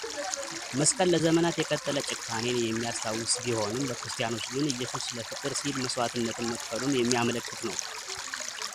መስቀል ለዘመናት የቀጠለ ጭካኔን የሚያስታውስ ቢሆንም ለክርስቲያኖች ግን ኢየሱስ ለፍቅር ሲል መስዋዕትነትን መክፈሉን የሚያመለክት ነው።